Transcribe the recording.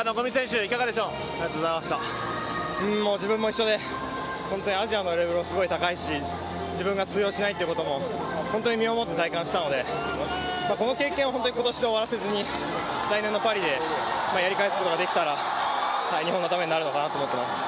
ありがとうございました自分も一緒でアジアのレベルも高いですし、自分が通用しないということも本当に身をもって体感したのでこの経験を今年で終わらせずに来年のパリでやり返すことができたら日本のためになるのかなと思っています。